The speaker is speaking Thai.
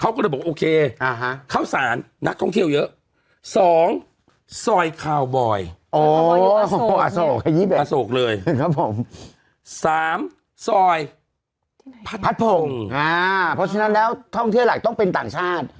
เลยครับผมสามซอยพัดผงอ่าเพราะฉะนั้นแล้วท่องเที่ยวหลักต้องเป็นต่างชาติ